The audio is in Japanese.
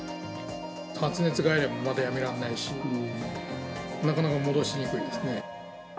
初熱外来もまだやめられないし、なかなか戻しにくいですね。